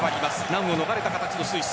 難を逃れた形のスイス。